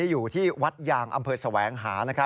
อยู่ที่วัดยางอำเภอแสวงหา